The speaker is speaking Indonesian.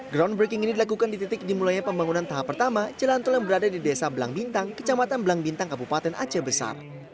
groundbreaking ini dilakukan di titik dimulainya pembangunan tahap pertama jalan tol yang berada di desa belang bintang kecamatan belang bintang kabupaten aceh besar